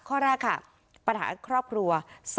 ข้อแรกค่ะปัญหาครอบครัว